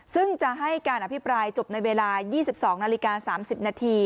ซึ่งจะให้การอภิปรายจบในเวลา๒๒นาฬิกา๓๐นาที